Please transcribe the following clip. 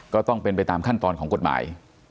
ก็ต้องเป็นไปตามขั้นตอนของกฎหมาย